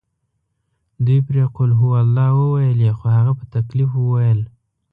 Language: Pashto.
دوی پرې قل هوالله وویلې خو هغه په تکلیف وویل.